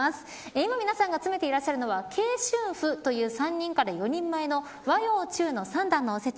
今、皆さんが詰めていらしゃるのは慶春譜という３人から４人前の和洋中の３段のおせち。